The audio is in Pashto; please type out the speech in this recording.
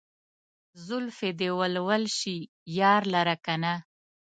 زلفې چې ول ول شي يار لره کنه